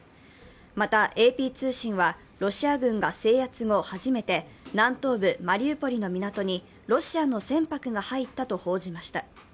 またＡＰ通信はロシア軍が制圧後初めて南東部マリウポリの港にロシアの船舶が入ったと報じました。